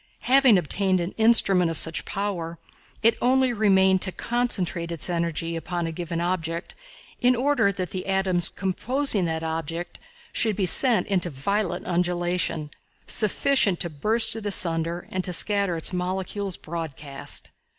Having obtained an instrument of such power, it only remained to concentrate its energy upon a given object in order that the atoms composing that object should be set into violent undulation, sufficient to burst it asunder and to scatter its molecules broadcast.